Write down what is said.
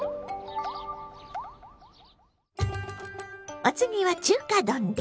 お次は中華丼です。